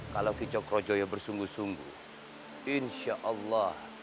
kalau kicok rojo yang bersungguh sungguh insya allah